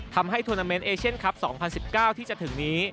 ทำให้ทวนาเมนเอเชียนคลับ๒๐๑๙ที่จะถึงนี้